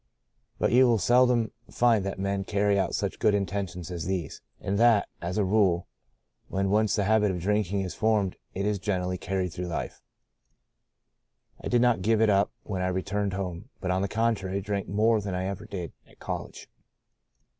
But you will seldom find that men carry out EDWIN C. MERCEE. By a Great Deliverance 1 55 such good intentions as these, and that, as a rule, when once the habit of drinking is formed it is generally carried through life. I did not give it up when I returned home, but on the contrary drank more than I ever did at college.